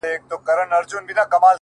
• تاسي څرنګه موږ پوه نه کړو چي دام دی ,